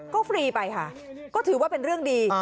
ก็ฟรีไปค่ะก็ถือว่าเป็นเรื่องดี